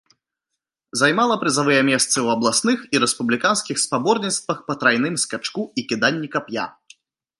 Займала прызавыя месцы ў абласных і рэспубліканскіх спаборніцтвах па трайным скачку і кіданні кап'я.